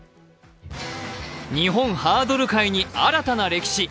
日本ハードル界に新たな歴史。